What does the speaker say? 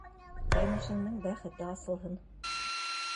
Ҡәйнешеңдең бәхете асылһын.